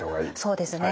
そうですね。